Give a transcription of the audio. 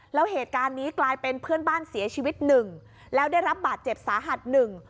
แล้วเหตุการณ์นี้กลายเป็นเพื่อนบ้านเสียชีวิตหนึ่งแล้วได้รับบาดเจ็บสาหัสหนึ่ง